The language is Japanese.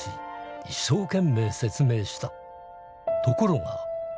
ところが。